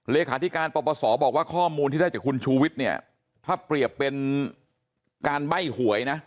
เลขาธิการปปศบอกว่าข้อมูลที่ได้จากคุณชูวิทย์เนี่ยถ้าเปรียบเป็นการใบ้หวยนะ